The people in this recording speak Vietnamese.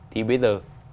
thì bây giờ